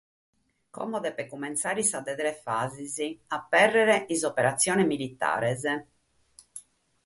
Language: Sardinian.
Immoe depet incumintzare sa de tres fases: abèrrere is operatziones militares.